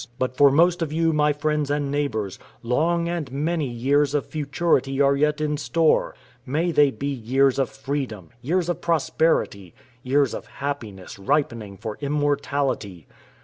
But for most of you, my friends and neighbors, long and many years of futurity are yet in store. May they be years of freedom years of prosperity years of happiness, ripening for immortality!